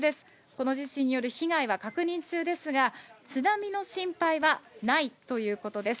この地震による被害は確認中ですが、津波の心配はないということです。